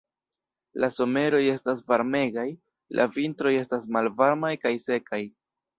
La someroj estas varmegaj, la vintroj estas malvarmaj kaj sekaj.